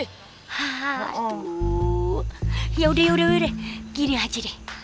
hah tuh yaudah yaudah gini aja deh